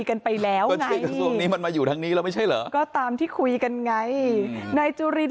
ก็เป็นผู้ที่ผิดจันทร์จนท้ายที่สุดนะครับ